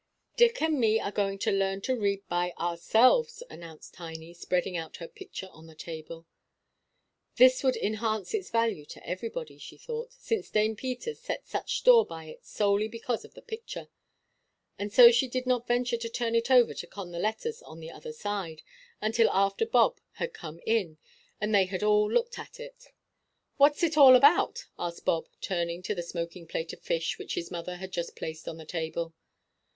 "Dick and me are going to learn to read by ourselves," announced Tiny, spreading out her picture on the table. This would enhance its value to everybody, she thought, since Dame Peters set such store by it solely because of the picture. And so she did not venture to turn it over to con the letters on the other side until after Bob had come in, and they had all looked at it. "What's it all about?" asked Bob, turning to the smoking plate of fish which his mother had just placed on the table.